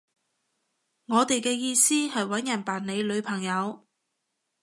我哋嘅意思係搵人扮你女朋友